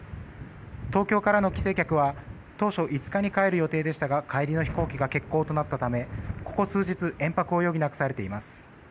東京からの帰省客は当初５日に帰る予定でしたが帰りの飛行機が欠航となったためここ数日延泊を余儀なくされています。